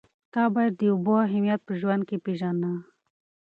ته باید د اوبو اهمیت په ژوند کې پېژنه.